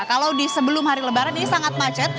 kalau di sebelum hari lebaran ini sangat macet